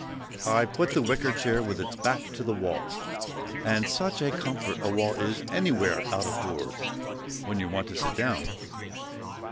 I put the wicker chair with its back to the wall—and such a comfort a wall is anywhere out of doors when you want to sit down.